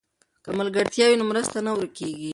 که ملګرتیا وي نو مرسته نه ورکېږي.